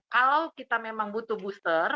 kalau kita memang butuh booster